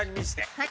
はい。